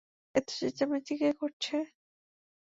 এত চেঁচামেচি কে করছে?